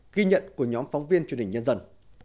ghi nhận của nhóm phóng viên truyền hình nhân dân